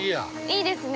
◆いいですね。